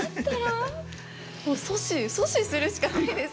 もう阻止阻止するしかないですよね。